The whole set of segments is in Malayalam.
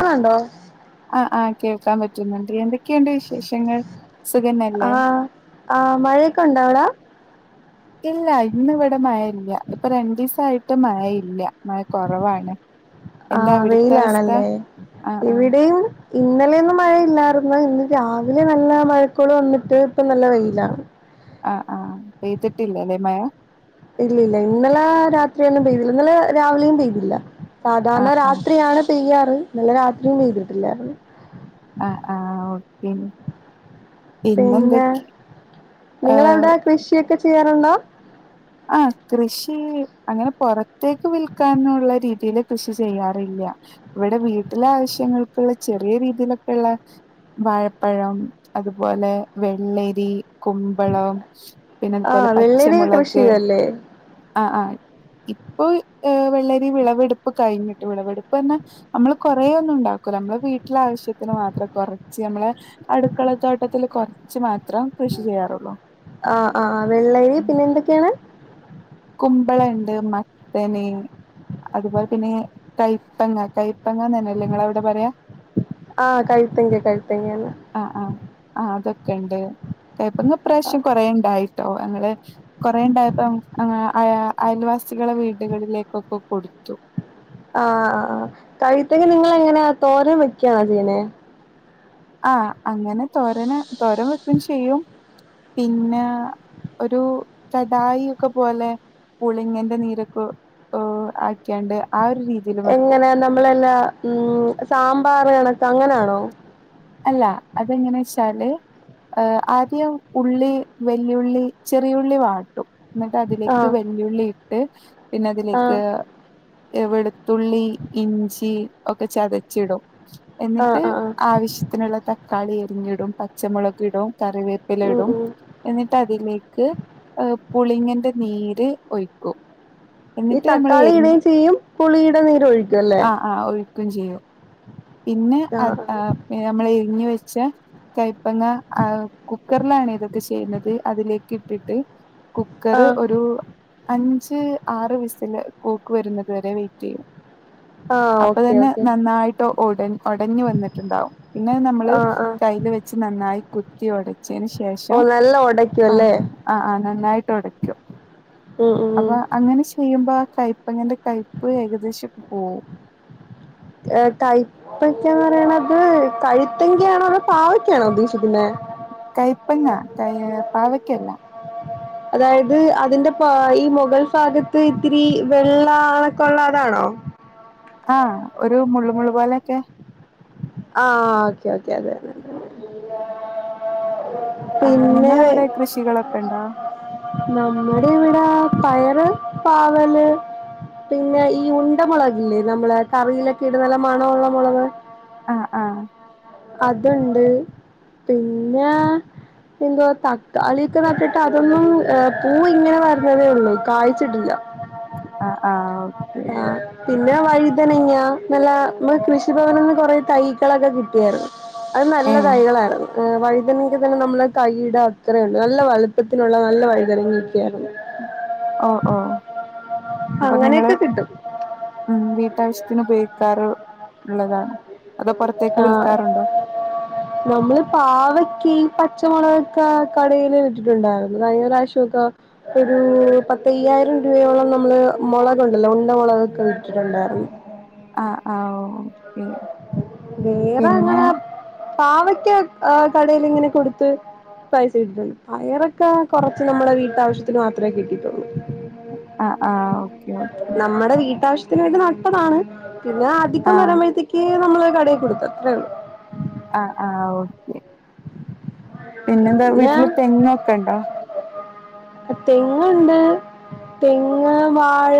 ഇപ്പണ്ടോ- ആഹ് ആഹ് കേൾക്കാൻ പറ്റുന്നുണ്ട് എന്തൊക്കെയുണ്ട് വിശേഷങ്ങൾ? സുഖന്നല്ലേ ആഹ് ആഹ് മഴയൊക്കെ ഉണ്ടോ അവിടെ? ഇല്ല ഇന്ന് ഇവിടെ മഴ ഇല്ല ഇപ്പൊ രണ്ട് ദിവസായിട്ട് മഴ ഇല്ല മഴ കൊറവാണ്. എന്താ ആഹ് അവിടുത്തെ അവസ്ഥ വെയിലാണല്ലേ ആഹ് ആഹ് ഇവിടെയും ഇന്നലെയൊന്നും മഴയില്ലായിരുന്ന് ഇന്ന് രാവിലെ നല്ല മഴക്കോള് വന്നിട്ട് ഇപ്പൊ നല്ല വെയിലാണ് ആഹ് ആഹ് പെയ്തിട്ടില്ല അല്ലെ മഴ ഇല്ല ഇല്ല ഇന്നലെ രാത്രിയൊന്നും പെയ്തില്ല ഇന്നലെ രാവിലെയും പെയ്തില്ല. ആഹ് സാധാരണ ആഹ് രാത്രിയാണ് പെയ്യാറ് ഇന്നല്ല രാത്രിയും പെയ്തിട്ടില്ലായിരുന്നു. ആഹ് ആഹ് ഓക്കെ പിന്നെ പിന്നെന്തൊക്കെ നിങ്ങളവിടെ ഏഹ് കൃഷിയൊക്കെ ചെയ്യാറുണ്ടോ? ആഹ് കൃഷി അങ്ങനെ പുറത്തേക്ക് വിൽക്കാനുള്ള രീതിയില് കൃഷി ചെയ്യാറില്ല. ഇവിടെ വീട്ടിലെ ആവശ്യങ്ങൾക്കുള്ള ചെറിയ രീതിയിലൊക്കെള്ള വാഴപ്പഴം അതുപോലെ വെള്ളരി കുമ്പളം ആഹ് വെള്ളേരിയൊക്കെ കൃഷി ചെയ്യുംല്ലേ. അഹ് അഹ് ഇപ്പോ വെള്ളരി വിളവെടുപ്പ് കഴിഞ്ഞിട്ട് വിളവെടുപ്പ് എന്ന നമ്മള് കൊറേ ഒന്നും ഉണ്ടാക്കൂല നമ്മളെ വീട്ടിലെ ആവശ്യത്തിന് മാത്രം കൊറച്ച് നമ്മളെ അടുക്കളത്തോട്ടത്തില് കൊറച്ച് മാത്രം കൃഷി ചെയ്യാറുള്ളൂ. ആഹ് ആഹ് വെള്ളരി പിന്നെ എന്തൊക്കെയാണ്? കുമ്പളണ്ട് മത്തന്. അതുപോലെ പിന്നെ കൈപ്പങ്ങ കൈപ്പങ്ങന്നെല്ലേ നിങ്ങളെ അവിടെ പറയ. ആഹ് കഴുത്തങ്ക കഴുത്തങ്കേന്ന്. ആഹ് ആഹ് ആഹ് അതൊക്കെണ്ട് ഇപ്രാവശ്യം കൊറെ ഉണ്ടായി. ണ്ടോ ഞങ്ങള് കൊറേണ്ടായപ്പോ അങ്ങനെ അയ അയൽവാസികളെ വീടുകളിലേക്കൊക്കെ കൊടുത്തു. ആഹ് ആഹ് കഴുത്തങ്ങ നിങ്ങൾ എങ്ങനെയാ തോരൻ വെക്കാണോ ചെയ്യുന്നേ. ആഹ് അങ്ങനെ തോരന് തോരൻ വെക്കും ചെയ്യും പിന്നെ ഒരു കടായി ഒക്കെ പോലെ പുളിങ്ങന്റെ നീരൊക്കെ ആക്കിയാണ്ട് ആഹ് ഒരു രീതി എങ്ങനെ നമ്മളെല്ലാ ഉം സാമ്പാർ കണക്ക് അങ്ങനെയാണോ. അല്ല അതെങ്ങനെച്ചാല് ഏഹ് ആദ്യം ഉള്ളി വല്ലിയുള്ളി ചെറിയുള്ളി വാട്ടും. എന്നിട്ട് അതിലേക്ക് ആഹ് വല്ല്യുളി ഇട്ട് പിന്നെ ആഹ് അതിലേക്ക് എഹ് വെളുത്തുള്ളി ഇഞ്ചി ഒക്കെ ചതച്ചിടും. ആഹ് എന്നിട്ട് ആഹ് ആഹ് ആവശ്യത്തിനുള്ള തക്കാളി അരിഞ്ഞിടും പച്ചമുളക് ഇടും കറിവേ ഉം പ്പിലയിടും ഉം എന്നിട്ട് അതിലേക്ക് പുളിങ്ങന്റെ നീര് ഒഴിക്കും. ഈ എന്നിട്ട് നമ്മൾ തക്കാളി എരി ഇടയും ചെയ്യും പുളിയുടെ നീര് ഒഴിക്കും അല്ലേ. ആഹ് ഒഴിക്കും ചെയ്യും പിന്നെ ആഹ് അഹ് നമ്മൾ എരിഞ്ഞ് വെച്ച കഴ്പ്പങ്ങ ആഹ് കുക്കറിലാണ് ഇതൊക്കെ ചെയ്യുന്നത് അതിലേക്ക് ഇട്ടിട്ട് കുക്കർ ആഹ് ഒരു അഞ്ച് ആറ് വിസില് കൂക്ക് വരുന്നത് വരെ വെയിറ്റ് ചെയ്യും. ആഹ് അപ്പോ ഓക്കെ തന്നെ ഓക്കെ നന്നായിട്ട് ഒട ഒടഞ്ഞു വന്നിട്ടുണ്ടാവും. പിന്നെ നമ്മള് ആഹ് ആഹ് കൈല് വെച്ച് നന്നായി കുത്തി ഉടച്ചതിന് ശേഷം ഓ നല്ല ഉടക്കും ആഹ് അല്ലേ. ആഹ് ആഹ് നന്നായിട്ട് ഉടക്കും. ഉം ഉം അപ്പോ അങ്ങനെ ചെയ്യുമ്പോ ആഹ് കയ്പങ്ങന്റെ കയ്പ് ഏകദേശം ഒക്കെ പോവും. കയ്പ്പക്കന്ന് പറയണത് കഴുത്തങ്കാണോ അതോ പാവക്കാണോ ഉദ്ദേഷിക്കുന്നത്. കയ്പ്പങ്ങ കയ് പാവയ്ക്കല്ല. അതായത് അതിന്റെപ്പോ ഈ മുകൾ ഭാഗത്ത് ഇത്തിരി വെള്ള അങ്ങനൊക്കെ ഉള്ളതാണോ? ആഹ് ഒരു മുള്ള് മുള്ള് പോലെയൊക്കെ. ആഹ് ഓക്കെ ഓക്കെ. അതെ ആഹ് പിന്നെ നിങ്ങളവിടെ കൃഷികളൊക്കെ ഉണ്ടോ? നമ്മുടെ ഇവിടെ പയറ് പാവല് പിന്നെ ഈ ഉണ്ട മുളകില്ലേ നമ്മള് കറിയിലൊക്കെ ഇടുന്ന നല്ല മണള്ള മുളക്. ആഹ് ആഹ്. അതുണ്ട് പിന്നെ എന്തോ തക്കാളിക്ക് നട്ടിട്ട് അതൊന്നും പൂവിങ്ങനെ വരുന്നതേ ഉള്ളൂ, കായ്ച്ചിട്ടില്ല. [inaudible] ആഹ് ആഹ് ഓക്കെ ആഹ് പിന്നെ വഴുതനങ്ങ്യ നല്ല മ്മ കൃഷിഭവനന്ന് കൊറെ തൈകളൊക്കെ കിട്ടി പിർ അത് നല്ല ഏഹ് തൈകളായിരുന്നു വൈതനങ്ക തന്നെ നമ്മളെ കൈയിടെ അത്ര ഉള്ളു നല്ല വലുപ്പത്തിനുള്ള നല്ല വൈതനങ്ങ ഒക്കെ ആയിരുന്നു. ഓ ഓ അപ്പൊ നിങ്ങള് അങ്ങനെയൊക്കെ കിട്ടും ഉം വീട്ടാവശ്യത്തിൻ ഉപയോഗിക്കാറ് ഉള്ളതാണ് അതോ പുറത്തേക്ക് ആഹ് വിൽക്കാറുണ്ടോ? [inaudible] നമ്മള് പാവക്കി പച്ചമുളകൊക്കെ കടയില് വിറ്റിട്ടുണ്ടായിരുന്നു കഴിഞ്ഞ പ്രാവശ്യ ഒക്ക ഒരു പത്തയ്യായിരം രൂപയോളം നമ്മള് മുളകുണ്ടല്ലോ ഉണ്ട മുളകൊക്കെ വിറ്റിട്ടുണ്ടായിരുന്നു. ആഹ് ആഹ് ഓക്കെ വേറെ പിന്നെ അങ്ങനെ പാവക്യ ആഹ് കടേൽ ഇങ്ങനെ കൊടുത്ത് പൈസ കിട്ടിട്ടുണ്ട് പയറൊക്കെ കുറച്ച് നമ്മുടെ വീട്ടാവശ്യത്തിന് മാത്രേ കിട്ടിട്ടുള്ളൂ. ആഹ് ആഹ് ഒ നമ്മടെ വീട്ടാവശ്യത്തിൻ വേണ്ടി നട്ടത്താണ് പിന്നെ അധികം ആഹ് വരമ്പോഴത്തേ കീ നമ്മള് കടയിൽ കൊടുത്തത്രേ ഉള്ളൂ അഹ് അഹ് ഓക്കെ പിന്നെ എന്താ വീട്ടിൽ തെങ്ങൊക്കെ ഉണ്ടോ? തെങ്ങ്ണ്ട് തെങ്ങ് വാഴ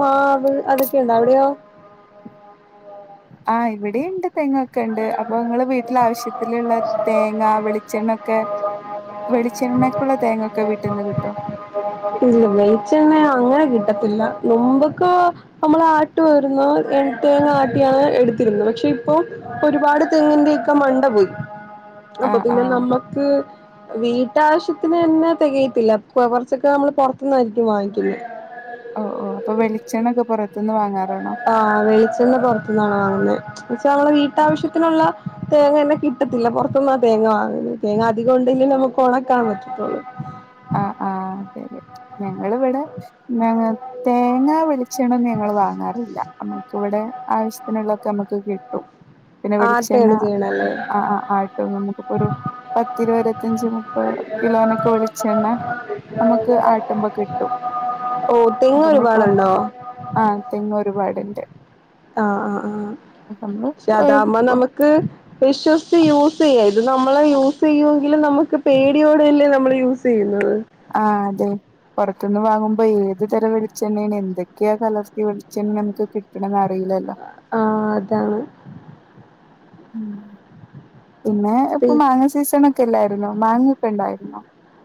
മാവ് അതൊക്കെ ഉണ്ട് അവിടെയോ? ആഹ് ഇവിടെയുണ്ട് തെങ്ങ ഒക്ക ഉണ്ട് അപ്പൊ ഇങ്ങള് വീട്ടിൽ ആവശ്യത്തിലുള്ള തേങ്ങ വെളിച്ചെണ്ണൊക്കെ വെളിച്ചെണ്ണക്കുള്ള തേങ്ങൊക്കെ വീട്ട്ന്ന് കിട്ടോ ഇല്ല വെളിച്ചണെ അങ്ങനെ കിട്ടത്തില്ല മുമ്പക്ക് നമ്മൾ ആട്ട് വരുന്നു എൺ തേങ്ങ ആട്ടിയാണ് എടുത്തിരുന്നു പക്ഷെ ഇപ്പൊ ഒരുപാട് തെങ്ങിന്റെ ഒക്കെ മണ്ട പോയി അപ്പൊ ആഹ് പിന്നെ ആഹ് നമ്മക്ക് വീട്ടാവശ്യത്തിന് തന്നെ തെകയത്തില്ല പൊവർച്ചൊക്കെ നമ്മൾ പൊർത്ത്ന്നായിരിക്കും വാങ്ങിക്കുന്ന ഓഹ് ഓഹ് അപ്പൊ വെളിച്ചണ്ണ ഒക്കെ പുറത്ത്ന്ന് വാങ്ങാ ആഹ് വെളിച്ചെണ്ണ പൊറത്തുന്നാണോ വാങ്ങുന്നത് പക്ഷേ നമ്മളെ ആഹ് വീട്ടാവശ്യത്തിനുള്ള തേങ്ങനെ കിട്ടത്തില്ല പൊറത്ത്ന്നാ തേങ്ങ വാങ്ങൽ തേങ്ങ അധികഉണ്ടങ്കി നമുക്ക് ഓണക്കാൻ പറ്റതൊള്ളൂ. ആഹ് ആഹ് ശരി ഞങ്ങൾ ഇവിടെ ഞങ്ങ തേങ്ങാ വെളിച്ചെണ്ണ ഞങ്ങൾ വാങ്ങാറില്ല നമ്മുക്ക് ഇവിടെ ആവശ്യത്തിനുള്ളോക്കെ നമുക്ക് കിട്ടും. പിന്നെ വെളിച്ചെണ്ണ ആട്ടയാണ് ചെയ്യണല്ലേ ആഹ് ആഹ് ആഹ് നമുക്കിപ്പോ ഒരു പത്തിരുപതത്തഞ്ച് മുപ്പത് കിലോനൊക്കെ വെളി ച്ചെണ്ണ നമ്മുക്ക് ആട്ടുമ്പോ കിട്ടും ഓ അപ്പൊ തെങ്ങ് നമ്മളപ്പോ ഒരുപാടുണ്ടോ ആഹ് തെങ്ങ് ഒരുപാട്ണ്ട് ആഹ് ആഹ് ആഹ് ക്ഷെ അദാവുമ്പോ നമക്ക് ക്ക്‌ വിശ്വസിച്ച് യൂസ് ചെയ്യാ ഇത് നമ്മള് യൂസയ്യോങ്കിലും നമുക്ക് പേടിയോടെയല്ലേ നമ്മൾ യൂസ് ചെയ്യുന്നത് ആഹ് അതെ പൊറത്ത്ന്ന് വാങ്ങുബം ഏത് തരം വെളിച്ചെണ്ണാണ് എന്തൊക്കെയാ കലർത്തി വെളിച്ചെണ്ണ നമുക്ക് കിട്ടണന്ന്റിയില്ലല്ലോ. ആഹ് അതാണ് ഉം പിന്നെ ഇപ്പൊ മാങ്ങ സീസൺ ക്കല്ലായിരുന്നോ മാങ്ങക്കെ ഉണ്ടായിരുന്നോ?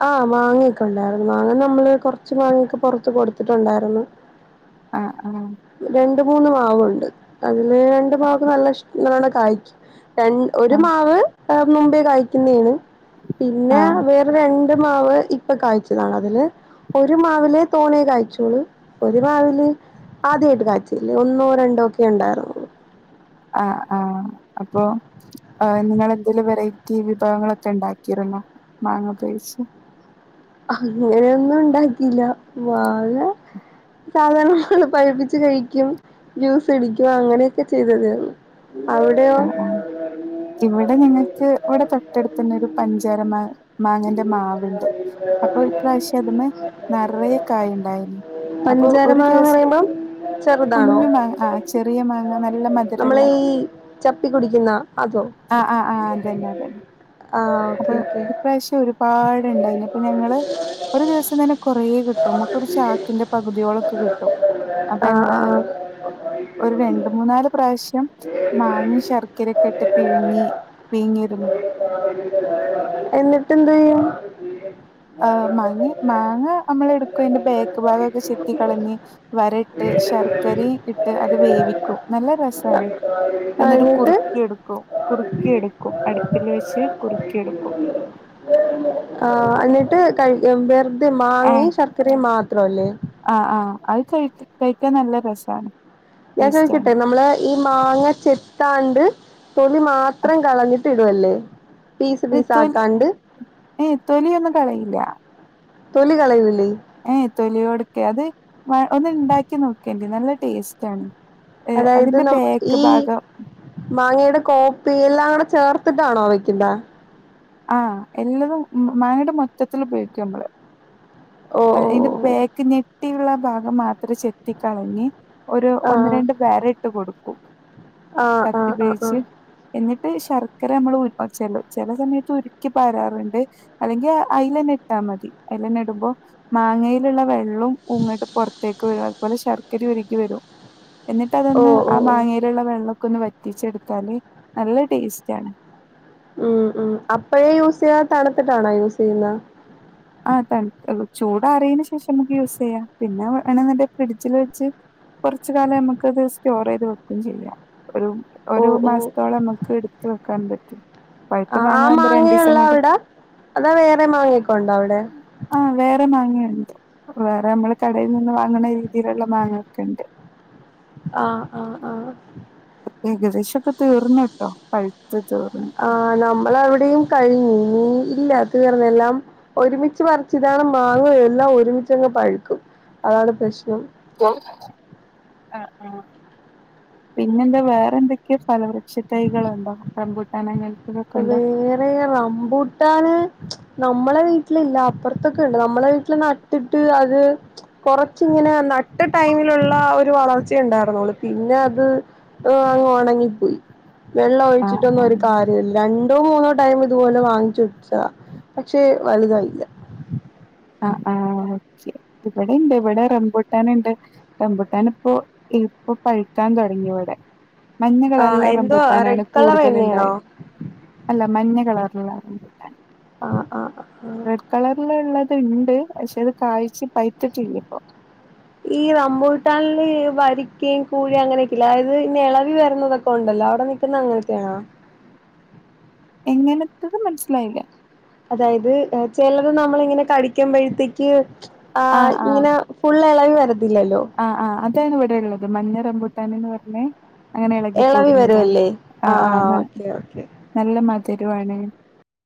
ആഹ മാങ്ങഒക്കെ ഉണ്ടായിരുന്നു മാങ്ങ നമ്മള് കൊറച്ച് മാങ്ങഒക്കെ പൊറത്ത് കൊടുത്തിട്ടുണ്ടായിരുന്നു. ആഹ് ആഹ് രണ്ട് മൂന്ന് മാവുണ്ട് അതില് രണ്ട് ആ മാവക്ക്‌ നല്ല ഇഷ നണം കായ്ക്കും. രൺ ഒരു ആ മാവ് ഏഹ് മുമ്പേ കായി ക്കുന്നേയാണ് പിന്നെ ആ വേറെ രണ്ട് മാവ് ഇപ്പ കഴ്ച്ചതാണ് അതില് ഒരു മാവിൽ തോണേ കാഴ്ച്ചോളു ഒരു മാവിൽ ആദ്യായിട്ട് കാഴ്ച്ചല്ലേ ഒന്നോ രണ്ടോ ഒക്കെ ഉണ്ടായിരുന്നു ആഹ് ആഹ് അപ്പൊ ആഹ് നിങ്ങൾ എന്തെലും വെറൈറ്റി വിഭവങ്ങളൊക്കെ ഉണ്ടാക്കിരുന്നോ മാങ്ങ ഉപയോഗിച്ച് അങ്ങനെയൊന്നും ഉണ്ടാക്കിയില്ല മാങ്ങ സാധാരണ ഞങൾ പഴുപ്പിച്ച് കഴിക്കും ജ്യൂസ് അടിക്കും അങ്ങനെയൊക്കെ ചെയ്തായിരുന്നു അവിടെ ആഹ് ആഹ് ഇവിടെ ഞങ്ങൾക്ക് ഇവിടെ തൊട്ടടുത്ത് തന്നെ ഒരു പഞ്ചാര മാ മാങ്ങന്റെ മാവുണ്ട് അപ്പൊ ഇപ്രാവശ്യം അതിമേ നിറയെ കായ ഉണ്ടായിന് അപ്പൊ പഞ്ചാര ഒരു മാങ്ങാന്ന് ദിവസം പറയുമ്പം ചെറുതാണോ കുഞ്ഞു മാങ്ങ ആഹ് ചെറിയ മാങ്ങ നല്ല നമ്മളെ മധുരമുള്ള ഈ ചപ്പി കുടിക്കുന്ന അതോ ആഹ് ആഹ് ആഹ് അതന്നെ അതന്നെ ആഹ് അപ്പൊ ഓക്കേ ഓക്കെ ഇപ്രാവശ്യം ഒരുപാടുണ്ടായിനി അപ്പൊ ഞങ്ങള് ഒരു ദിവസം തന്നെ കുറേ കിട്ടും നമുക്കൊരു ചാക്കിന്റെ പകുതിയോളൊക്കെ കിട്ടും അപ്പൊ ആഹ് ഞങ്ങള് ആഹ് ആഹ് ഒരു രണ്ട് മൂന്നാല് പ്രാവശ്യം മാങ്ങ ശർക്കരയൊക്കെ ഇട്ട് പിഴുങ്ങി പിഴുങ്ങിരുന്നു എന്നിട്ടെന്താ ചെയ്യാ [unintelligible] ആഹ് മാങ്ങി മാങ്ങ നമ്മള് എടുക്കു അതിന്റെ ബേക്ക് ഭാഗൊക്കെ ചെത്തി കളഞ്ഞ് വരയിട്ട് ശർക്കര ഇട്ട്ട്ട് അത് വേവിക്കും നല്ല രസമാണ് എന്നിട്ട് കഴിഞ്ഞിട്ട് കുറുക്കി എടുക്കും കുറുക്കി എടുക്കും അടുപ്പിൽ വെച്ച് കുറുക്കി എടുക്കും ആഹ് എന്നിട്ട് കഴിക്കാ വെറുതെ ആഹ് മാങ്ങയും ശർക്കരയും മാത്രല്ലേ ആഹ് ആഹ് അത് കഴി കഴിക്കാൻ നല്ല രസമാണ് ഞാൻ ചോദിക്കട്ടെ നമ്മള് ഈ മാങ്ങ ചെത്താണ്ട് തൊലി മാത്രം കളഞ്ഞി- -ട്ടിടുവല്ലേ ഈ തോ ഈ തോലി ഒന്നും കളയില്ല തൊലി കളയുന്നില്ലേ ഏയ് തൊലിയോടക്കെ അത് ഒന്ന് ഉണ്ടാക്കി നോക്കിയാണ്ടി നല്ല ടേസ്റ്റ് ആണ് അതായത് നം ഈ മാങ്ങയുടെ കോർത്ത് എല്ലാം കൂടെ ചേർത്തിട്ടാണോ വെക്കുന്നെ ആഹ് എല്ലാതും മങ്ങയുടെ മൊത്തത്തിൽ ഉപയോഗിക്കും നമ്മള് ഓ അഹ് ഓ അതിന്റെ ഓ ബേക്ക് ഞെട്ടിയുള്ള ഭാഗം മാത്രം ചെത്തി കളഞ് ഒരു ഒന്ന് ആ രണ്ട് വര ഇട്ട് കൊടുക്കും ആഹ് ആഹ് കത്തി ആഹ് ഉപയോഗിച്ച് ആഹ് എന്നിട്ട് ശർക്കര നമ്മള് ഉരുക്കാൻ വെച്ചുല്ലോ ചില സമയത്ത് ഉരുക്കി പരാറുണ്ട് അല്ലെങ്കിൽ അയിലെന്നെ ഇട്ടാ മതി അയിലെന്നെ ഇടുമ്പോ മാങ്ങയിലുള്ള വെള്ള- ങട്ട് പുറത്തേക്ക് വരും അത് പോലെ ശർക്കരയും ഉരുകി വരും എന്നിട്ട് അതങ്ങ് ഓഹ് ഓഹ് ആഹ് ഓഹ് മാങ്ങ ലുള്ള വെള്ളമൊക്കെ ഒന്ന് വറ്റിച്ചെടുത്താല് നല്ല ടേസ്റ്റ് ആണ് ഉം ഉം അപ്പഴേ യൂസ് ചെയ്യാ തണുത്തിട്ടാണോ യൂസ് ചെയ്യുന്നത് ആഹ് തണുത്തിട്ട് ചൂടാറിയതിന് ശേഷം നമുക്ക് യൂസ് ചെയ്യാം പിന്നെ വേണെന്ന്ണ്ടെ ഫ്രിഡ്ജിൽ വെച്ച് കുറച്ച് കാലം നമുക്കത് സ്റ്റോർ ചെയ്ത് വെക്കുകയും ചെയ്യാം ഒരു- ഒരു ഓഹ് ഓഹ് മാസത്തോളം നമുക്ക് എടുത്ത് വെക്കാനും പറ്റും പഴുത്ത ആഹ് ആഹ് മാങ്ങാകുമ്പോ മാങ്ങയെ രണ്ടീസം ഒള്ളൊ കൊണ്ട് അവിടെ അതോ വേറെ മാങ്ങയൊക്കെ ഉണ്ടോ അവിടെ ആഹ് വേറെ മാങ്ങയുണ്ട് വേറെ നമ്മള് കടയിൽ നിന്ന് വാങ്ങുന്ന രീതിയിലുള്ള മാങ്ങയൊക്കെ ഉണ്ട് ആഹ് ആഹ് ആഹ് ഏകദേശൊക്കെ തീർന്ന്ട്ടോ പഴ്ത്ത് തീർന്ന്. ആഹ് നമ്മളവടിം കഴിഞ്ഞ് ഇനി ഇല്ലാ തീർന്നെല്ലാം. ഒരുമിച്ച് പറിച്ചതാണ് മാങ്ങേ എല്ലാം ഒരുമിച്ചങ്ങ് പഴ്ക്കും അതാണ് പ്രശ്നം. [unintelligible] ആഹ് ആഹ് പിന്നെന്താ വേറെന്തെക്ക്യെ ഫലവൃക്ഷ തൈകള്ണ്ടോ റംമ്പൂട്ടാനങ്ങൻ വേറേ റമ്പൂട്ടാന് നമ്മളെ വീട്ട്ലില്ല അപ്പർത്തക്കെണ്ട് നമ്മളെ വീട്ട്ല് നട്ട്ട്ട് അത് കൊറച്ച്ങ്ങനെ നട്ട ടൈമില്ള്ള ഒരു വളർച്ചയെണ്ടാര്ന്നൊള്ളു പിന്നെ അത് ഏഹ് അങ്ങ് ഒണങ്ങിപ്പൊയി വെള്ളം ആഹ് ഒഴിച്ചിട്ടൊന്നും ഒരു കാ ആഹ് രണ്ടോ മൂന്നോ ടൈം ഇത്പോലെ വാങ്ങിച്ച് വച്ചതാ പക്ഷേ വല്തായില്ല. ആഹ് ആഹ് ഒക്കെ ഇവടിണ്ട് ഇവടെ റംമ്പൂട്ടാന്ണ്ട്. റംമ്പുട്ടാനിപ്പോ ഇപ്പൊ പഴ്ക്കാൻ തൊടങ്ങിവടെ. ആ മഞ്ഞകളറിൽള്ള എന്തോ റംമ്പൂട്ടാനാണ് റെഡ് കളർ തന്നെയാണോ കൂടുതലിണ്ടായെ അല്ല മഞ്ഞ കളറുള്ള റംമ്പൂട്ടാൻ ആ ആ റെഡ് കളറിലിള്ള ത്ണ്ട് പക്ഷെ അത് കായ്ച് പഴ്ത്തിട്ടില്ലപ്പൊ. ഈ റംമ്പൂട്ടാനില് വരിക്കയും കൂഴ അങ്ങനെക്കില്ലേ അത് നിളവി വെര്ന്നതൊക്കെണ്ടല്ലോ അവടെ നി പിന്നങ്ങൻത്ത്യാണോ? എങ്ങനത്തത് മൻസ്സിലായില്ല. അതായത് ഏഹ് ചെലത് നമ്മളിങ്ങനെ കടിക്കുമ്പെഴത്തേക്ക് ആഹ് ഇങ്ങനെ ഫുള്ളെളവി വരത്തില്ലല്ലോ. ആഹ് ആഹ് അതാണ് ഇവടെള്ളത് മഞ്ഞ റംമ്പൂട്ടാനെന്ന് പർഞ്ഞേ അങ്ങനെ എളകി ഇളവി പോരുന്നതാണ് വരുവല്ലേ ആ ആഹ് ആഹ് ന ഓക്കെ ഓക്കെ നല്ല മധിര്വാണ്.